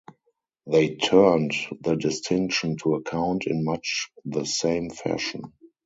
They turned the distinction to account in much the same fashion.